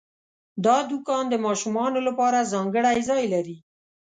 دا دوکان د ماشومانو لپاره ځانګړی ځای لري.